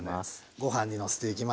ご飯にのせていきます。